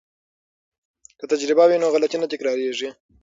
که تجربه وي نو غلطي نه تکراریږي.